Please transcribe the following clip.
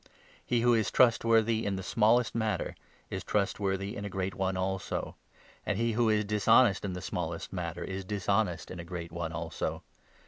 He who is trustworthy in the smallest matter is trustworthy 10 in a great one also ; and he who is dishonest in the smallest matter is dishonest in a great one also.